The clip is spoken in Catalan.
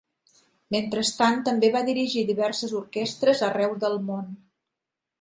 Mentrestant també va dirigir diverses orquestres arreu del món.